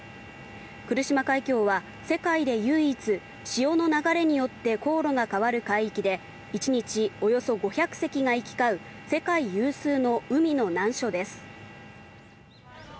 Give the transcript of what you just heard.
来島海峡は世界で唯一、潮の流れによって航路が変わる海域で一日およそ５００隻が行き交う世界有数の海の難所です。